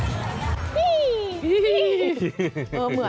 กลายเป็นประเพณีที่สืบทอดมาอย่างยาวนาน